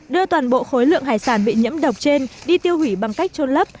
đưa toàn bộ khối lượng hải sản bị nhiễm độc trên đi tiêu hủy bằng cách trôn lấp